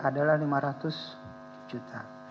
adalah lima ratus juta